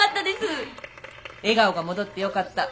笑顔が戻ってよかった。